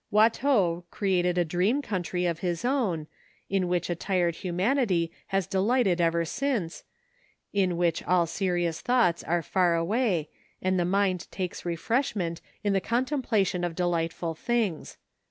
Watteau created a dream country of his own, in which a tired humanity has delighted ever since, in which all serious thoughts are far away and the mind takes refreshment in the contemplation of delightful things.